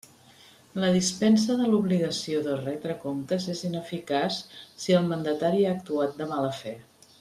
La dispensa de l'obligació de retre comptes és ineficaç si el mandatari ha actuat de mala fe.